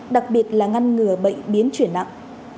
đặc biệt là ngăn ngừa bệnh biến chuyển nặng